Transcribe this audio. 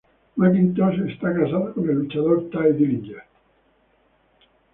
McIntosh está casada con el luchador Tye Dillinger.